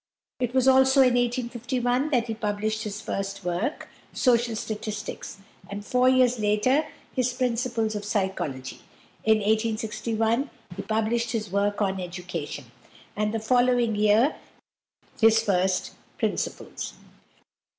It was also in 1851 that he published his first work, "Social Statics," and four years later his "Principles of Psychology." In 1861 he published his work on "Education," and the following year his "First Principles."